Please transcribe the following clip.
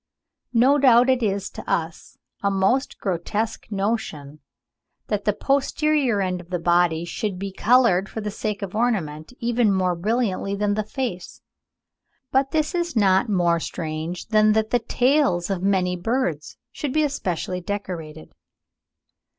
No doubt it is to us a most grotesque notion that the posterior end of the body should be coloured for the sake of ornament even more brilliantly than the face; but this is not more strange than that the tails of many birds should be especially decorated.